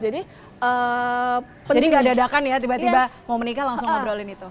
jadi gak dadakan ya tiba tiba mau menikah langsung ngobrolin itu